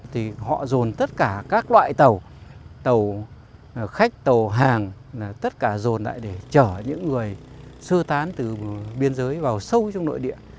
thì họ dồn tất cả các loại tàu khách tàu hàng tất cả dồn lại để chở những người sơ tán từ biên giới vào sâu trong nội địa